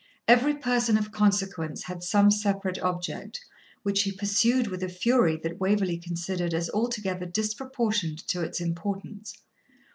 Every person of consequence had some separate object, which he pursued with a fury that Waverley considered as altogether disproportioned to its importance.